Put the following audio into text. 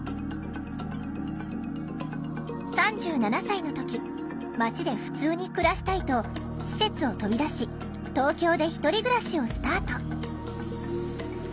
３７歳の時町でふつうに暮らしたいと施設を飛び出し東京でひとり暮らしをスタート。